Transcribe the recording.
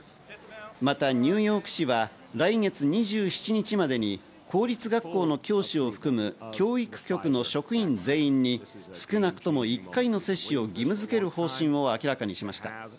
またニューヨーク市は来月２７日までに公立学校の教師を含む教育局の職員全員に少なくとも１回の接種を義務づける方針を明らかにしました。